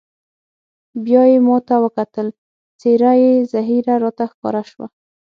بیا یې ما ته وکتل، څېره یې زهېره راته ښکاره شوه.